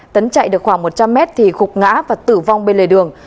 tấn chạy được khoảng một trăm linh mét thì gục ngã và tử vong bên lề đường